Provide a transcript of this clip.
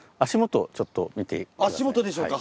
足元でしょうか？